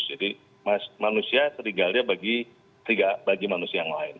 jadi manusia serigalnya bagi manusia yang lain